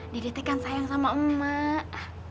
dede tekan sayang sama emak